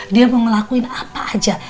dia mau ngelakuin apa aja